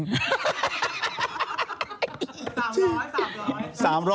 ครับ